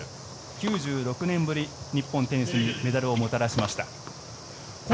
９６年ぶり、日本テニスにメダルをもたらしました。